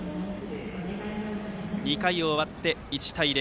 ２回終わって１対０。